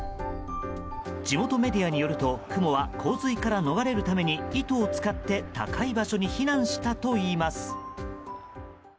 地元メディアによると、クモは洪水から逃れるために糸を使って高い場所に避難したといいます。